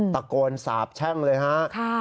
ตะโกนสาบแช่งเลยฮะ